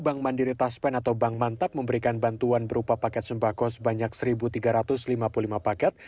bank mandiri taspen atau bank mantap memberikan bantuan berupa paket sembako sebanyak satu tiga ratus lima puluh lima paket